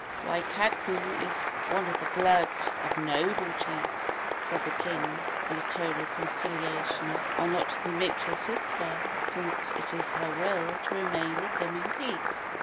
"Waikuku is of the blood of noble chiefs," said the king in a tone of conciliation; "why not permit your sister, since it is her will, to remain with him in peace?"